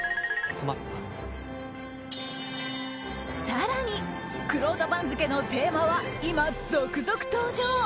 更に、くろうと番付のテーマは今、続々登場！